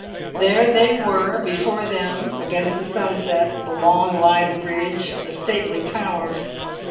There they were before them against the sunset, the long lithe bridge, the stately towers.